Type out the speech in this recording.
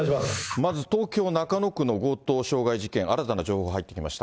まず、東京・中野区の強盗傷害事件、新たな情報が入ってきました。